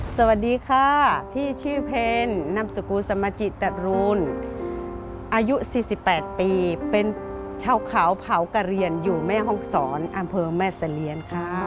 สวัสดีค่ะพี่ชื่อเพลนำสกุลสมจิตรูนอายุ๔๘ปีเป็นชาวเขาเผากระเรียนอยู่แม่ห้องศรอำเภอแม่เสรียนค่ะ